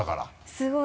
すごい。